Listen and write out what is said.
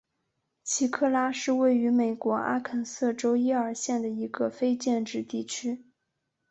奇克拉是位于美国阿肯色州耶尔县的一个非建制地区。